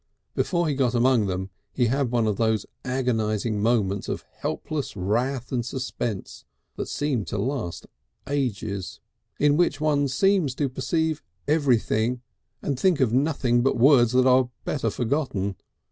Before he got among them he had one of those agonising moments of helpless wrath and suspense that seem to last ages, in which one seems to perceive everything and think of nothing but words that are better forgotten.